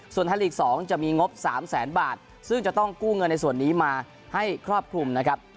ส่วนไทยลีก๒จะมีงบ๓แสนบาทซึ่งจะต้องกู้เงินในส่วนนี้มาให้ครอบคลุมนะครับ